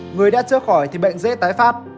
người đã chưa khỏi thì bệnh dễ tái phát